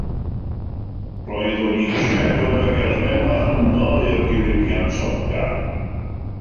Roeddwn i eisiau dod ag elfen wahanol i'r diwydiant soca.